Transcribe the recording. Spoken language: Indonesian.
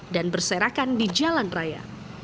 dan berserakan di jalan raya